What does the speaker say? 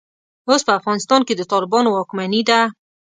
اوس په افغانستان کې د طالبانو واکمني ده.